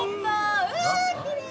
うわきれい。